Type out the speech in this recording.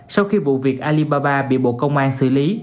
sau khi vụ việc alibaba bị bộ công an xử lý